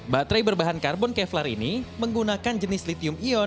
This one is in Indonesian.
baterai berbahan karbon kevlar ini menggunakan jenis litium ion